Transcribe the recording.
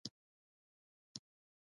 د بهرنیو توکو بایکاټ ممکن دی؟